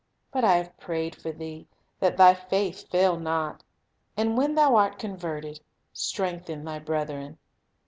But I have prayed for thee, that thy faith fail not; and when thou art converted, strengthen thy brethren."